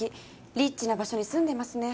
リッチな場所に住んでますね。